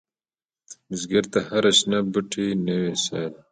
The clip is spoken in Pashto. بزګر ته هره شنه بوټۍ نوې سا ده